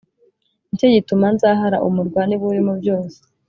ni cyo gituma nzahara umurwa n’ibiwurimo byose.